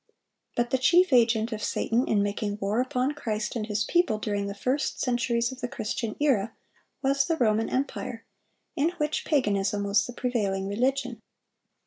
But the chief agent of Satan in making war upon Christ and His people during the first centuries of the Christian era, was the Roman empire, in which paganism was the prevailing religion.